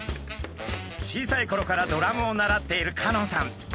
小さいころからドラムを習っている香音さん。